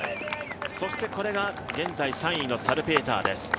そしてこれが現在３位のサルピーターです。